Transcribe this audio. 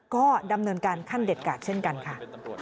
ก็ดำเนินการขั้นเด็ดขาดเช่นกันค่ะ